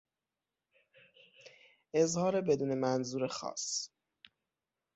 اظهار بدون منظور خاص